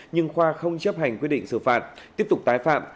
nhưng khoa không chấp hành quyết định xử phạt tiếp tục tái phạm